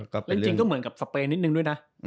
และจริงก็เหมือนกับสเปนนิดนึงด้วยนะ